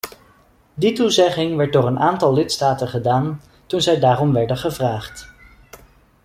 Die toezegging werd door een aantal lidstaten gedaan toen zij daarom werden gevraagd.